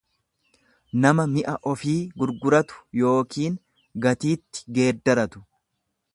nama mi'a ofii gurguratu yookiin gatiitti geeddaratu.